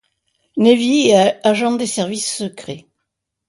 Navy et agent des services secrets.